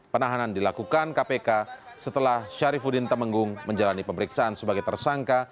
penahanan dilakukan kpk setelah syarifudin temenggung menjalani pemeriksaan sebagai tersangka